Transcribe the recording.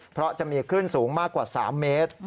เพราะจะมีคลื่นสูงมากกว่า๓เมตร